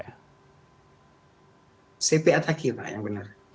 cv ataki pak yang benar